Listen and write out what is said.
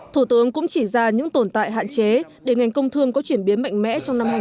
thủ tướng cũng chỉ ra những tồn tại hạn chế để ngành công thương có chuyển biến mạnh mẽ trong năm hai nghìn hai mươi